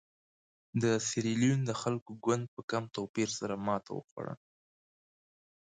د سیریلیون د خلکو ګوند په کم توپیر سره ماته وخوړه.